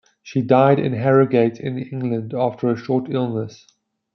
She died in Harrogate in England after a short illness.